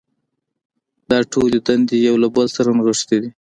دا ټولې دندې یو له بل سره نغښتې دي.